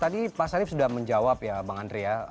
tadi pak sarif sudah menjawab ya bang andre ya